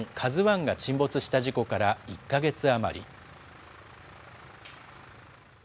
ＫＡＺＵＩが沈没した事故から１か月余り。